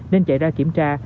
nên chạy ra kiểm tra